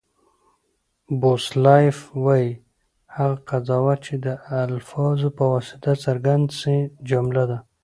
بوسلایف وایي، هغه قضاوت، چي د الفاظو په واسطه څرګند سي؛ جمله ده.